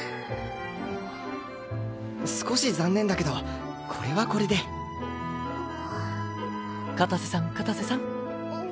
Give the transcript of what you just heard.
少し残念だけどこれはこれで片瀬さん片瀬さん。